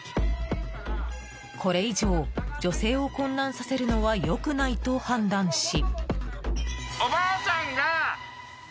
これ以上、女性を混乱させるのは良くないと判断し。